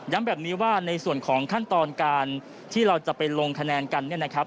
แบบนี้ว่าในส่วนของขั้นตอนการที่เราจะไปลงคะแนนกันเนี่ยนะครับ